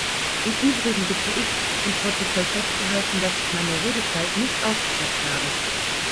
Im übrigen bitte ich, im Protokoll festzuhalten, dass ich meine Redezeit nicht ausgeschöpft habe.